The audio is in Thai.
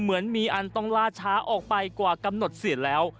เหมือนมีอันต้องล่าช้าออกไปกว่ากำหนดเสียแล้ว